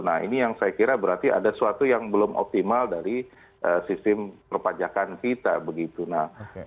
nah ini yang saya kira berarti ada sesuatu yang belum optimal dari sistem perpajakan kita begitu